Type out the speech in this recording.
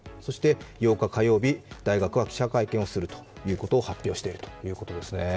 ８日火曜日、大学側が記者会見すると発表しているということですね。